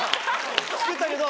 作ったけど。